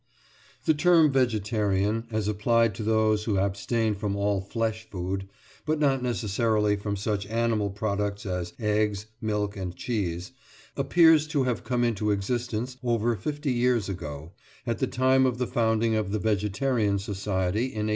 The term "vegetarian," as applied to those who abstain from all flesh food, but not necessarily from such animal products as eggs, milk, and cheese, appears to have come into existence over fifty years ago, at the time of the founding of the Vegetarian Society in 1847.